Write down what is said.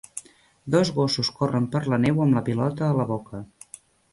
Dos gossos corren per la neu amb la pilota a la boca.